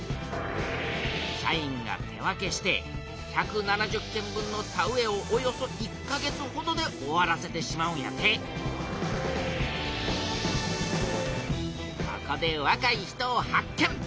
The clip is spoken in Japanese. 社員が手分けして１７０軒分の田植えをおよそ１か月ほどで終わらせてしまうんやてここでわかい人を発見！